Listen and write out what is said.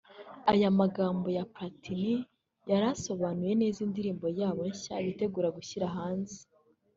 Aya magambo ya Platini yari asobanuye neza indirimbo yabo nshya bitegura gushyira hanze